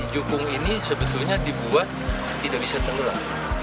jukung ini sebetulnya dibuat tidak bisa tenggelam